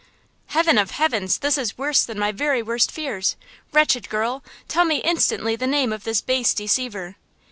"Heaven of heavens! this is worse than my very worst fears! Wretched girl! Tell me instantly the name of this base deceiver!"